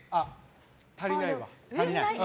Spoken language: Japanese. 足りないわ。